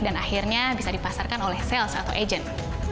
dan akhirnya bisa dipasarkan oleh sales atau agent